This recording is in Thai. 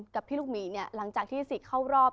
กับพี่ลูกหมีเนี่ยหลังจากที่สิเข้ารอบ